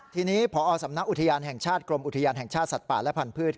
ทีนี้พอสำนักอุทยานแห่งชาติกรมอุทยานแห่งชาติสัตว์ป่าและพันธุ์